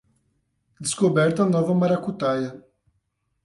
Descoberta nova maracutaia